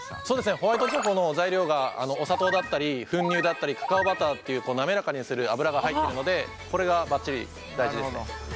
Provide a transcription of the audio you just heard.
ホワイトチョコの材料がお砂糖だったり粉乳だったりカカオバターっていう滑らかにする脂が入ってるのでこれがばっちり大事ですね。